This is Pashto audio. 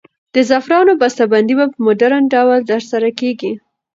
د زعفرانو بسته بندي په مډرن ډول ترسره کیږي.